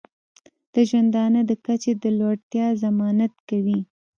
د ژوندانه د کچې د لوړتیا ضمانت کوي.